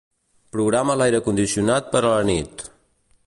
Programa l'aire condicionat per a la nit.